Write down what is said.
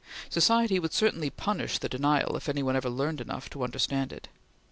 Society would certainly punish the denial if ever any one learned enough to understand it.